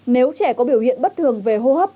nếu trẻ có biểu hiện bất thường về hô hấp